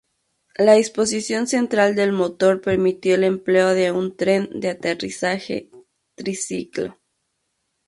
La disposición central del motor permitió el empleo de un tren de aterrizaje triciclo.